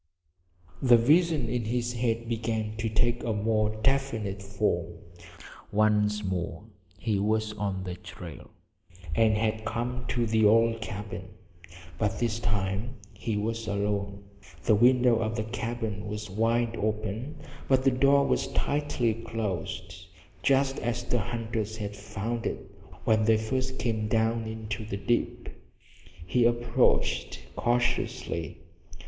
The visions in his head began to take a more definite form. Once more he was on the trail, and had come to the old cabin. But this time he was alone. The window of the cabin was wide open, but the door was tightly closed, just as the hunters had found it when they first came down into the dip. He approached cautiously.